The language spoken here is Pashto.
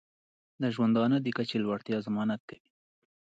د ژوندانه د کچې د لوړتیا ضمانت کوي.